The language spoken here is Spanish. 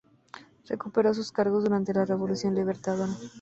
Recuperó sus cargos durante la Revolución Libertadora.